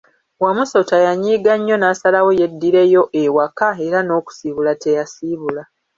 Wamusota yanyiiga nnyo nasalawo yeddireyo ewaka era n'okisiibula teyasiibula.